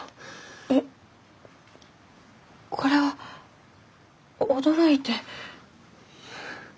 いえこれは驚いて。